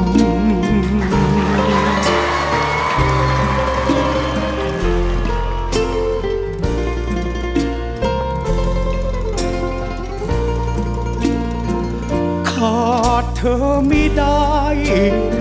ขอร้องอย่าทำร้ายใจ